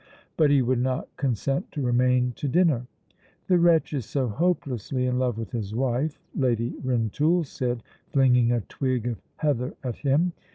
But he would not consent to remain to dinner. "The wretch is so hopelessly in love with his wife," Lady Rintoul said, flinging a twig of heather at him.